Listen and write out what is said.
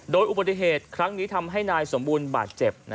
โดยอุบัติเหตุครั้งนี้ทำให้นายสมบูรณ์บาดเจ็บ